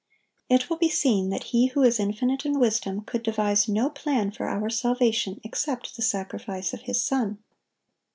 It will be seen that He who is infinite in wisdom could devise no plan for our salvation except the sacrifice of His Son.